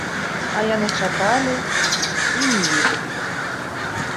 А яны чакалі й не ведалі.